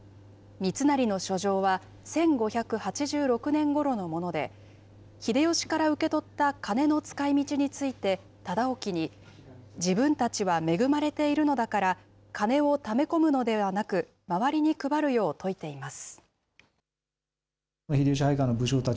三成の書状は、１５８６年ごろのもので、秀吉から受け取った金の使いみちについて忠興に、自分たちは恵まれているのだから、金をため込むのではなく、周りに配るよう説いています。